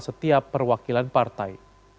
setiap perwakilan partai